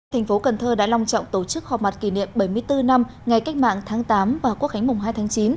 thành phố cần thơ đã long trọng tổ chức họp mặt kỷ niệm bảy mươi bốn năm ngày cách mạng tháng tám và quốc khánh mùng hai tháng chín